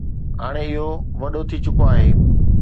هاڻي اهو وڏو ٿي چڪو آهي